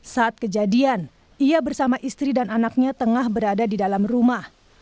saat kejadian ia bersama istri dan anaknya tengah berada di dalam rumah